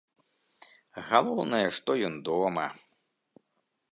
Галоўнае, што ён дома.